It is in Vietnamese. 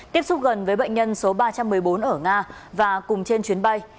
tiếp xúc gần với bệnh nhân số ba trăm một mươi bốn ở nga và cùng trên chuyến bay